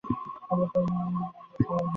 আপনি স্বরূপত যাহা, তাহা অজ্ঞাত ও অজ্ঞেয়।